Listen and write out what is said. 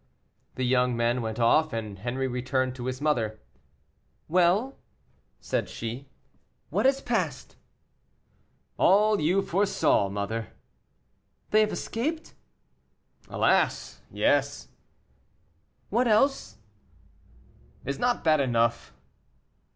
The young men went off, and Henri returned to his mother. "Well," said she, "what has passed?" "All you foresaw, mother." "They have escaped?" "Alas! yes." "What else?" "Is not that enough?"